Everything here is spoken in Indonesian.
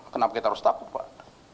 kenapa kita harus takut pak